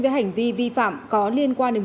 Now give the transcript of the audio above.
với hành vi vi phạm có liên quan đến